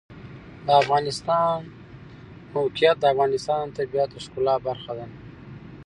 د افغانستان د موقعیت د افغانستان د طبیعت د ښکلا برخه ده.